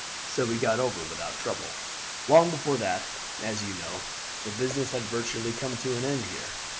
So we got over without trouble. "Long before that, as you know, the business had virtually come to an end here.